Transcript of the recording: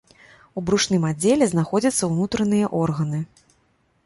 У брушным аддзеле знаходзяцца ўнутраныя органы.